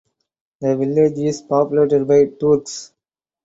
The village is populated by Turks.